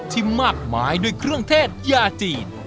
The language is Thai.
ที่มากมายด้วยเครื่องเทศยาจีน